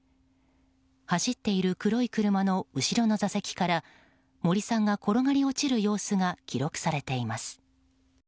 走っている黒い車の後ろの座席から森さんが転がり落ちる様子が記録されています。